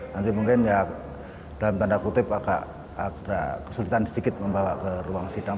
nanti mungkin ya dalam tanda kutip agak kesulitan sedikit membawa ke ruang sidang